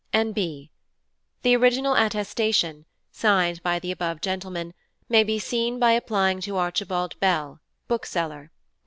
N. B. The original Attestation, signed by the above Gentlemen, may be seen by applying to Archibald Bell, Bookseller, No.